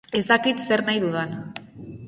Ez dakit zer nahi dudan.